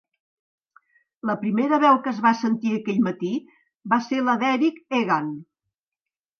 La primera veu que es va sentir aquell matí va ser la d'Eric Egan.